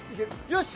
よし。